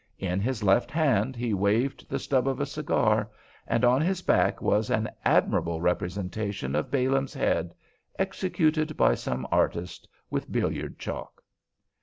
In his left hand he waved the stub of a cigar, and on his back was an admirable representation of Balaam's head, executed by some artist with billiard chalk.